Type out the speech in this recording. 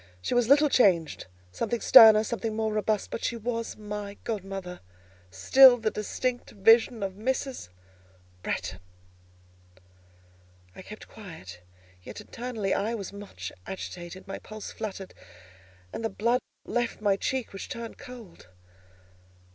She was little changed; something sterner, something more robust—but she was my godmother: still the distinct vision of Mrs. Bretton. I kept quiet, yet internally I was much agitated: my pulse fluttered, and the blood left my cheek, which turned cold.